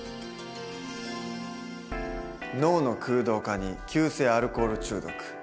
脳の空洞化に急性アルコール中毒。